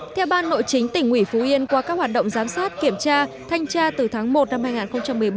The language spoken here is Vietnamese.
theo ban nội chính tỉnh ủy phú yên qua các hoạt động giám sát kiểm tra thanh tra từ tháng một năm hai nghìn một mươi bảy